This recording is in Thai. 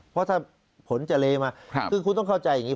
เพราะถ้าผลจะเลมาคือคุณต้องเข้าใจอย่างนี้